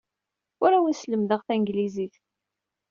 Ur awen-sselmadeɣ tanglizit.